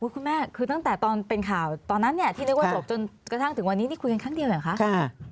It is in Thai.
คุณแม่คือตั้งแต่ตอนเป็นข่าวตอนนั้นที่นึกว่าจบจนกระทั่งถึงวันนี้นี่คุยกันครั้งเดียวเหรอคะ